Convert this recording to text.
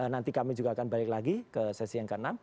nanti kami juga akan balik lagi ke sesi yang ke enam